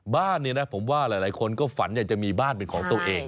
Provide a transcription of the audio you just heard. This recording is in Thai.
บ้านนี้นะผมว่าหลายคนก็ฝันอยากจะมีบ้านเป็นของตัวเอง